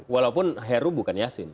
walaupun heru bukan jiahsin